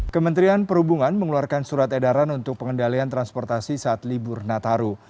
kementerian perhubungan mengeluarkan surat edaran untuk pengendalian transportasi saat libur nataru